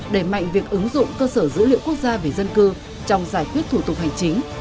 đẩy mạnh việc ứng dụng cơ sở dữ liệu quốc gia về dân cư trong giải quyết thủ tục hành chính